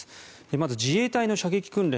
まず自衛隊の射撃訓練